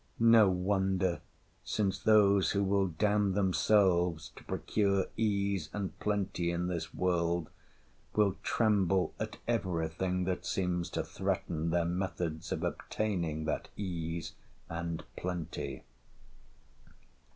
No wonder, since those who will damn themselves to procure ease and plenty in this world, will tremble at every thing that seems to threaten their methods of obtaining that ease and plenty.